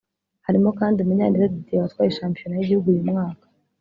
Harimo kandi Munyaneza Didier watwaye shampiyona y’igihugu uyu mwaka